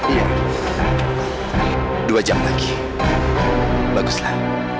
iya dua jam lagi baguslah